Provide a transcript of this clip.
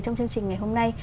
trong chương trình ngày hôm nay